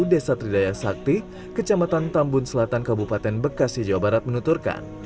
desa tridaya sakti kecamatan tambun selatan kabupaten bekasi jawa barat menuturkan